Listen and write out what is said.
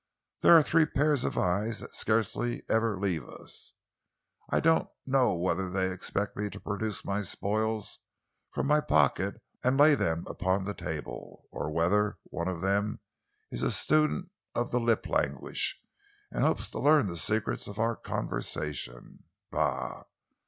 There are three pairs of eyes that scarcely ever leave us. I don't know whether they expect me to produce my spoils from my pocket and lay them upon the table, or whether one of them is a student of the lip language and hopes to learn the secrets of our conversation. Bah!